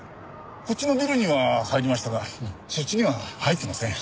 こっちのビルには入りましたがそっちには入ってません。